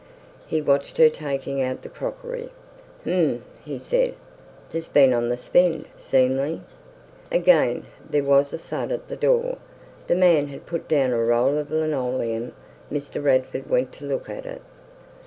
He watched her taking out the crockery. "Hm!" he said. "Tha's been on th' spend, seemly." Again there was a thud at the door. The man had put down a roll of linoleum. Mr. Radford went to look at it.